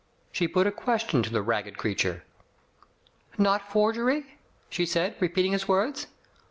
She put a question to the ragged creature. "Not forgery? she said, repeating his words.